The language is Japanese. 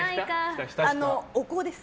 お香です。